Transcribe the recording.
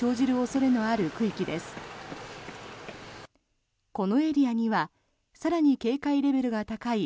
このエリアには更に警戒レベルが高い